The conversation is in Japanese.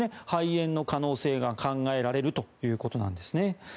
肺炎の可能性が考えられるということなんです。